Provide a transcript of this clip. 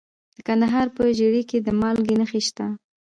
د کندهار په ژیړۍ کې د مالګې نښې شته.